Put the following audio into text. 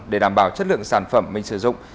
để đảm bảo chất lượng sản phẩm mình sử dụng